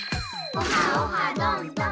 オハオハどんどん！